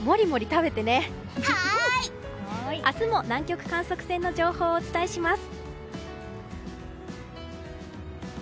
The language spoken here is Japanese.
明日も南極観測船の情報をお伝えします。